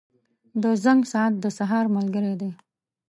• د زنګ ساعت د سهار ملګری دی.